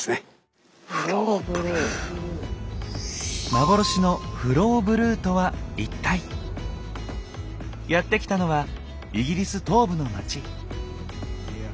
幻のフローブルーとは一体⁉やって来たのはイギリス東部の町。